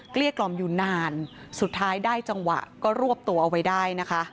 เกลี้กล่อมอยู่นานสุดท้ายได้จังหวะก็รวบตัวเอาไว้ได้นะคะ